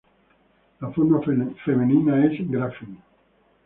La forma femenina es "Gräfin".